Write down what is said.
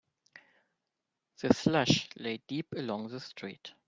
The slush lay deep along the street.